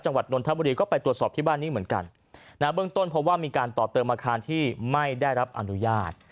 นนทบุรีก็ไปตรวจสอบที่บ้านนี้เหมือนกันนะเบื้องต้นพบว่ามีการต่อเติมอาคารที่ไม่ได้รับอนุญาต